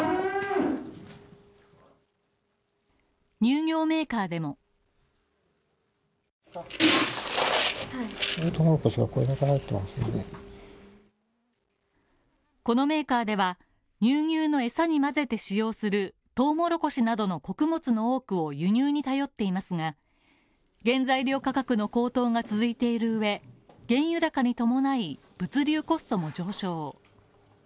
乳業メーカーでもこのメーカーでは乳牛の餌に混ぜて使用するトウモロコシなどの穀物の多くを輸入に頼っていますが、原材料価格の高騰が続いている上、原油高に伴い、物流コストも上昇。